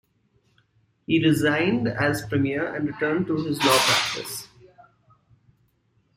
He resigned as premier and returned to his law practice.